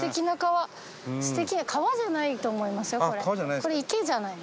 これ池じゃないの？